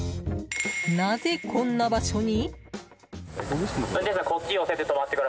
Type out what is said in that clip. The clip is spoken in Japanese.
なぜ、こんな場所に？